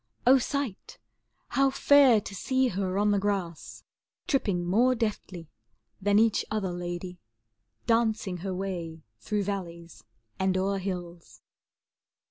O sight! how fair, to see her on the grass Tripping more deftly than each other lady, Dancing her way through valleys and o'er hills.